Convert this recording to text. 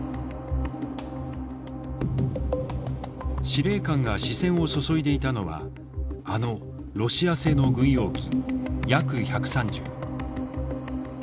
司令官が視線を注いでいたのはあのロシア製の軍用機Ｙａｋ−１３０。